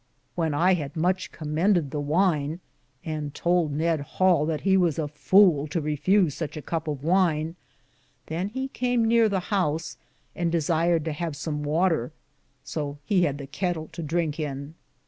When I had muche comended the wyne, and tould Ned Hale that he was a foule to refuse suche a cup of wyne, than he come neare the house, and desiered to have som water ; so he had the kettle to drinke in.